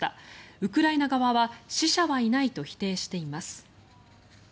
ウクライナ側は死者はいないと否定しています。